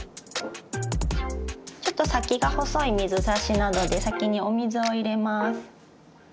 ちょっと先が細い水差しなどで先にお水を入れます。